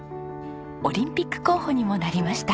オリンピック候補にもなりました。